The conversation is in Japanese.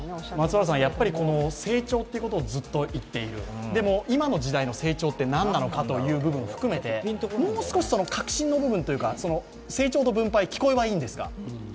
成長ってずっと言っている、でも今の時代の成長って何なのかという部分を含めてもう少し核心の部分というか成長と分配聞こえはいいんですが。